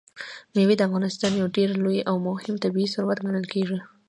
مېوې د افغانستان یو ډېر لوی او مهم طبعي ثروت ګڼل کېږي.